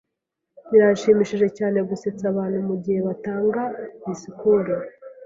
Birashimishije cyane gusetsa abantu mugihe batanga disikuru.